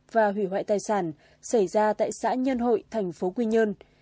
và hủy hoại tài sản xảy ra tại xã nhân hội thành phố quy nhơn